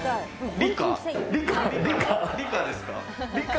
理科ですか？